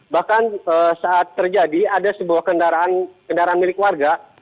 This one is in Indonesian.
bahkan saat terjadi ada sebuah kendaraan milik warga